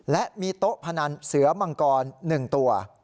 และมีโต๊ะพนันเสือมังกร๑ตัว